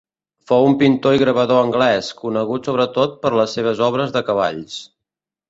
Fou un pintor i gravador anglès, conegut sobretot per les seves obres de cavalls.